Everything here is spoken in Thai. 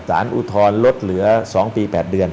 อุทธรณ์ลดเหลือ๒ปี๘เดือน